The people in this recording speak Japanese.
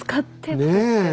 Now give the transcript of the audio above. ねえ？